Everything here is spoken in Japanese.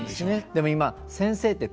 でも今「先生」って。